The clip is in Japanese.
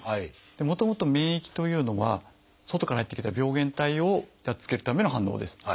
もともと免疫というのは外からやって来た病原体をやっつけるための反応です。